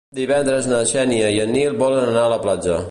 Divendres na Xènia i en Nil volen anar a la platja.